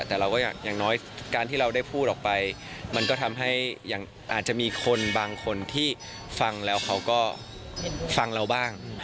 แต่เราก็อย่างน้อยการที่เราได้พูดออกไปมันก็ทำให้อาจจะมีคนบางคนที่ฟังแล้วเขาก็ฟังเราบ้าง